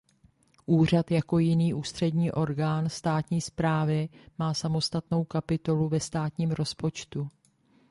Úřad jako jiný ústřední orgán státní správy má samostatnou kapitolu ve státním rozpočtu.